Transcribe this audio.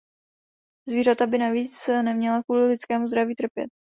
Zvířata by navíc neměla kvůli lidskému zdraví trpět.